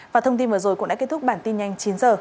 và thông tin vừa rồi cũng đã kết thúc bản tin nhanh chín h